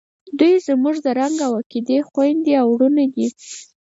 دوئ زموږ د رنګ او عقیدې خویندې او ورونه دي.